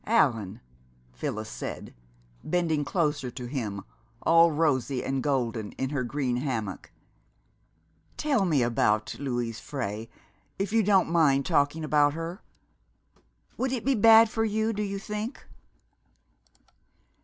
"Allan," Phyllis said, bending closer to him, all rosy and golden in her green hammock, "tell me about Louise Frey if you don't mind talking about her? Would it be bad for you, do you think?"